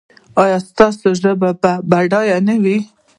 ایا ستاسو ژبه به بډایه نه وي؟